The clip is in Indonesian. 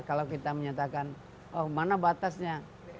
kalau kita menyatakan oh mana batasnya